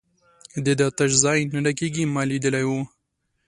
د ده تش ځای نه ډکېږي، ما لیدلی وو.